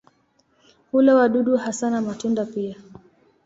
Hula wadudu hasa na matunda pia.